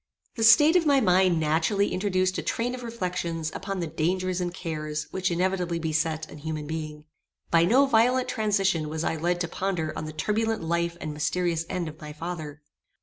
The state of my mind naturally introduced a train of reflections upon the dangers and cares which inevitably beset an human being. By no violent transition was I led to ponder on the turbulent life and mysterious end of my father.